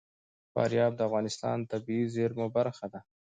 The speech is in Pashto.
فاریاب د افغانستان د طبیعي زیرمو برخه ده.